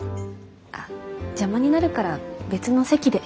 邪魔になるから別の席で。